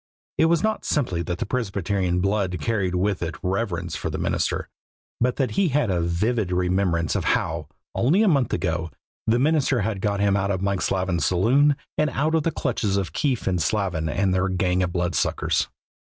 It was not simply that the Presbyterian blood carried with it reverence for the minister, but that he had a vivid remembrance of how, only a month ago, the minister had got him out of Mike Slavin's saloon and out of the clutches of Keefe and Slavin and their gang of bloodsuckers.